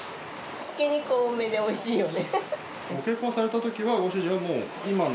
ひき肉多めでおいしいよね。